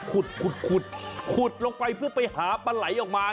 ขุดขุดลงไปเพื่อไปหาปลาไหลออกมา